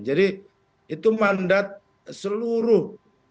jadi itu mandat seluruh